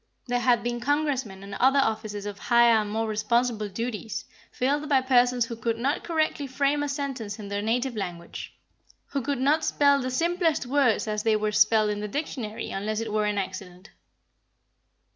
There had been congressmen and other offices of higher and more responsible duties, filled by persons who could not correctly frame a sentence in their native language, who could not spell the simplest words as they were spelled in the dictionary, unless it were an accident.